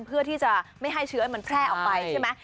เพื่อที่จะไม่ให้เชื้อมันแพร่ออกไปใช่ไหม